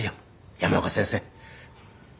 山岡先生。